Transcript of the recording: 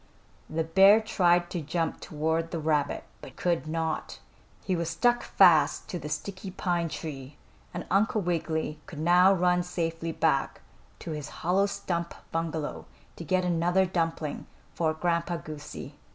The bear tried to jump toward the rabbit, but could not. He was stuck fast to the sticky pine tree and Uncle Wiggily could now run safely back to his hollow stump bungalow to get another dumpling for Grandpa Goosey.